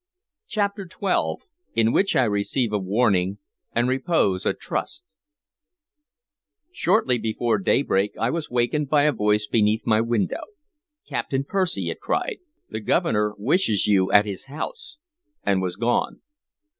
CHAPTER XII IN WHICH I RECEIVE A WARNING AND REPOSE A TRUST SHORTLY before daybreak I was wakened by a voice beneath my window. "Captain Percy," it cried, "the Governor wishes you at his house!" and was gone.